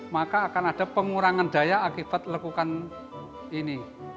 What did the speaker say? maka akan ada pengurangan daya akibat lekukan ini